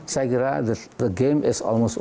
saya kira game ini hampir selesai